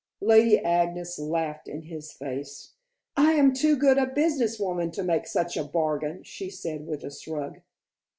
Lady Agnes laughed in his face. "I am too good a business woman to make such a bargain," she said with a shrug.